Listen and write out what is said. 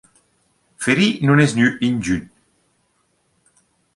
Feri nun es gnü ingün.